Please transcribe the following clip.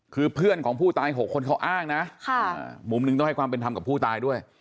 คือเพื่อนของผู้ตาย๖คนเขาอ้างนะมุมหนึ่งต้องให้ความเป็นธรรมกับผู้ตายด้วย